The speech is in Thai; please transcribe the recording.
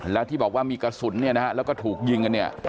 แล้วที่บอกว่ามีกระสุนเนี่ยนะฮะแล้วก็ถูกยิงกันเนี่ย